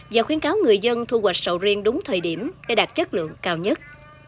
và khuyến cáo người dân thu hoạch sầu riêng đúng thời điểm để đạt chất lượng cao nhất